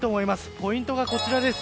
ポイントがこちらです。